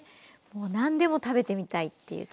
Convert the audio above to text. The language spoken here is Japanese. もう何でも食べてみたいっていう。